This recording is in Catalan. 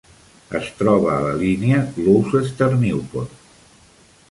Es troba a la línia Gloucester-Newport.